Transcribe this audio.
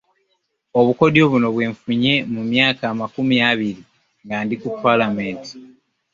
Obukodyo buno bwenfunye mu myaka amakumi abiri nga ndi ku palamenti